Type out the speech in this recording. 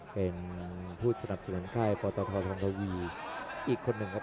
เป็นผู้สนับสนุนค่ายปตทธองทวีอีกคนหนึ่งครับ